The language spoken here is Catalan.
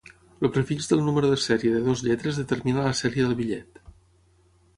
El prefix del número de serie de dues lletres determina la sèrie del bitllet.